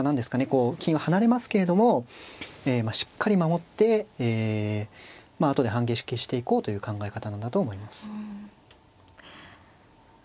こう金は離れますけれどもしっかり守って後で反撃していこうという考え方なんだと思います。